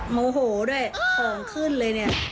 โมโหด้วยของขึ้นเลยเนี่ย